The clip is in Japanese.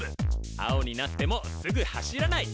青になってもすぐ走らない！